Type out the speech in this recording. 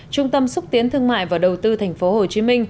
trung tâm xúc tiến thương mại và đầu tư tp hcm